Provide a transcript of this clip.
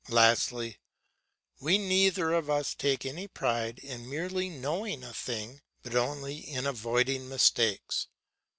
Lastly we neither of us take any pride in merely knowing a thing, but only in avoiding mistakes.